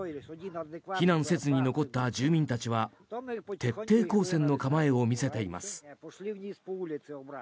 避難せずに残った住民たちは徹底抗戦の構えを見せています。